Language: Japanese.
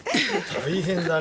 大変だね。